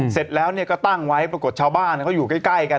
เสร็จแล้วก็ตั้งไว้ปรากฏชาวบ้านเขาอยู่ใกล้กัน